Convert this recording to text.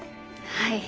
はい。